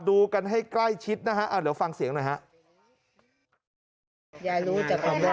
ดูกันให้ใกล้ชิดนะฮะเดี๋ยวฟังเสียงหน่อยฮะ